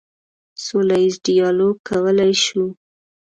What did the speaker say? سوله ییز ډیالوګ کولی شو.